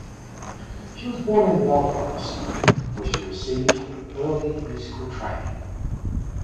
She was born in Belfast, where she received her early musical training.